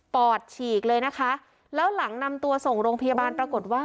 อดฉีกเลยนะคะแล้วหลังนำตัวส่งโรงพยาบาลปรากฏว่า